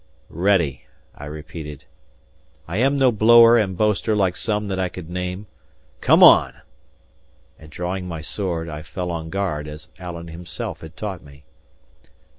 "Ready," I repeated. "I am no blower and boaster like some that I could name. Come on!" And drawing my sword, I fell on guard as Alan himself had taught me.